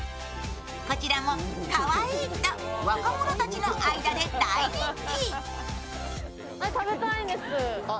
こちらもかわいいと若者たちの間で大人気。